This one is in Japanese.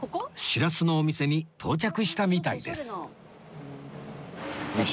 シラスのお店に到着したみたいです